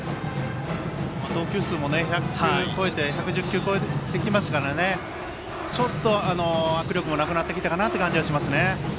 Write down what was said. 投球数も１１０球を超えてきますからちょっと握力もなくなってきたかなという感じがします。